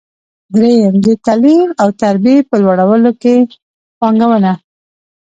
درېیم: د تعلیم او تربیې په لوړولو کې پانګونه.